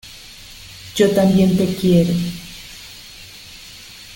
Yo también te quiero.